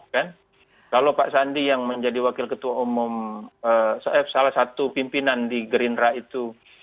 kalau pak sandi yang menjadi wakil ketua umum salah satu pimpinan di gerindra itu